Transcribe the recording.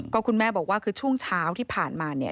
ก็คุณแม่บอกว่าคือช่วงเช้าที่ผ่านมาเนี่ย